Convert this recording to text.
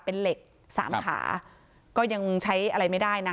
เป็นเหล็กสามขาก็ยังใช้อะไรไม่ได้นะ